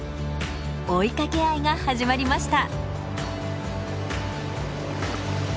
追いかけ合いが始まりました。